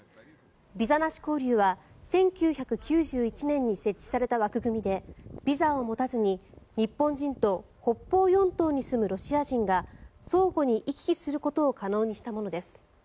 ビザなし交流は１９９１年に設置された枠組みでビザを持たずに日本人と北方四島に住むロシア人が相互に行き来することを可能にしたものです。